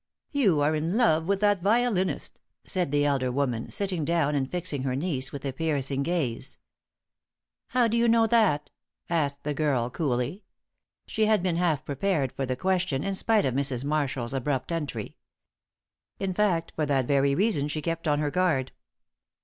"You are in love with that violinist," said the elder woman, sitting down and fixing her niece with a piercing gaze. "How do you know that?" asked the girl, coolly. She had been half prepared for the question in spite of Mrs. Marshall's abrupt entry. In fact, for that very reason she kept on her guard.